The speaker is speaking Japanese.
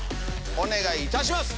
お願いいたします。